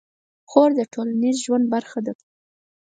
خور د ټولنیز ژوند برخه ده.